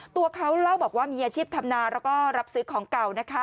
ตัวเขาเล่าบอกว่ามีอาชีพทำนาแล้วก็รับซื้อของเก่านะคะ